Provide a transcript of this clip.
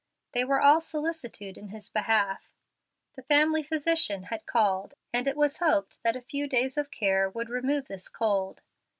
They were all solicitude in his behalf. The family physician had been called, and it was hoped that a few days of care would remove this cold.